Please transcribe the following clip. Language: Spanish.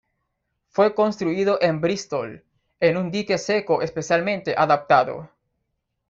Fue construido en Bristol, en un dique seco especialmente adaptado.